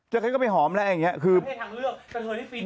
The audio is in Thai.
เหมือนผู้ชายทั้งเลือก